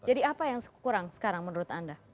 apa yang kurang sekarang menurut anda